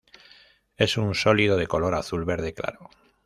Es un sólido de color azul-verde claro.